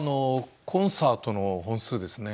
コンサートの本数です。